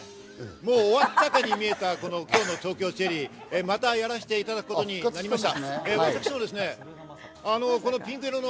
終わったかに見えた、今日のＴｏｋｙｏＣｈｅｒｒｙ、またやらせていただくことになりました。